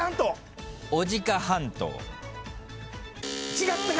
違ったか！